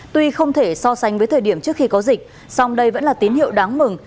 tuy không thể so sánh với thời điểm trước khi có dịch song đây vẫn là tín hiệu đáng mừng